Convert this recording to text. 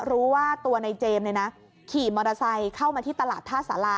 รู้ว่าตัวในเจมส์ขี่มอเตอร์ไซค์เข้ามาที่ตลาดท่าสารา